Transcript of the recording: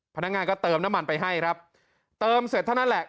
พนักงานก็เติมน้ำมันไปให้ครับเติมเสร็จเท่านั้นแหละ